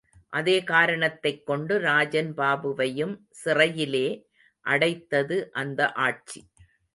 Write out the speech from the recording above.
அதே காரணத்தைக் கொண்டு ராஜன் பாபுவையும் சிறையிலே அடைத்தது அந்த ஆட்சி.